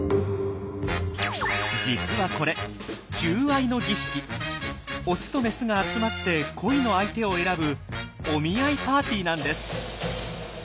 実はこれオスとメスが集まって恋の相手を選ぶお見合いパーティーなんです。